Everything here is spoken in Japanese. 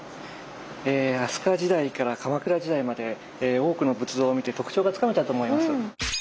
飛鳥時代から鎌倉時代まで多くの仏像を見て特徴がつかめたと思います。